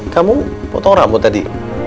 kamu foto rambut tadi